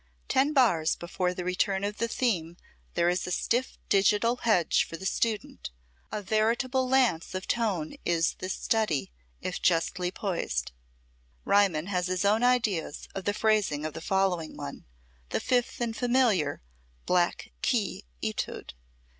Ten bars before the return of the theme there is a stiff digital hedge for the student. A veritable lance of tone is this study, if justly poised. Riemann has his own ideas of the phrasing of the following one, the fifth and familiar "Black Key" etude.